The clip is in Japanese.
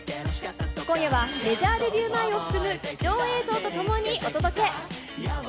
今夜はメジャーデビュー前を含む貴重映像とともにお届け。